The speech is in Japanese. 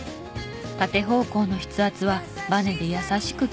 縦方向の筆圧はバネで優しく吸収。